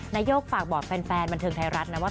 นายกฝากบอกแฟนบันเทิงไทยรัฐนะว่า